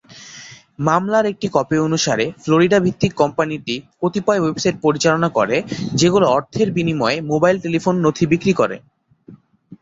মামলার একটি কপি অনুসারে ফ্লোরিডা ভিত্তিক কোম্পানিটি কতিপয় ওয়েবসাইট পরিচালনা করে যেগুলো অর্থের বিনিময়ে মোবাইল টেলিফোন নথি বিক্রি করে।